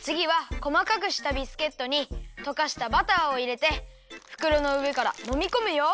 つぎはこまかくしたビスケットにとかしたバターをいれてふくろのうえからもみこむよ。